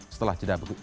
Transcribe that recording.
setelah jeda berikut ini